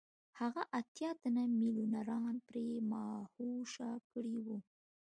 هغه اتیا تنه میلیونران پرې مدهوشه کړي وو